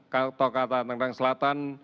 kota tangerang selatan